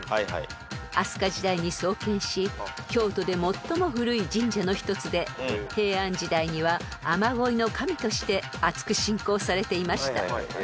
［飛鳥時代に創建し京都で最も古い神社の一つで平安時代には雨乞いの神としてあつく信仰されていました］